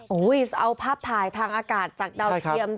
โอ้โหเอาภาพถ่ายทางอากาศจากดาวเทียม